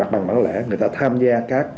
bán lẻ người ta tham gia